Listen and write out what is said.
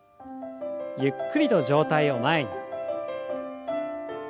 ゆっくりと上体を前に。